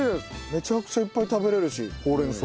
めちゃくちゃいっぱい食べれるしほうれん草。